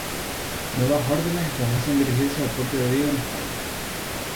Nuevas órdenes los hacen dirigirse al puerto de Vigo en España.